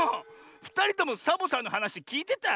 ふたりともサボさんのはなしきいてた？